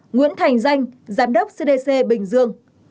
ba nguyễn thành danh giám đốc cdc bình dương